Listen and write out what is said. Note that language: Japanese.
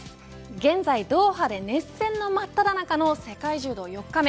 現在ドーハで熱戦のまっただ中の世界柔道４日目。